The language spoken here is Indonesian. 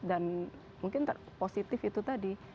dan mungkin positif itu tadi